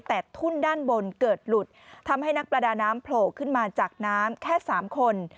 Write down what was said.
แต่ทุ่นด้านบนเกิดหลุดทำให้นักประดาน้ำโผล่ขึ้นมาจากน้ำแค่๓คน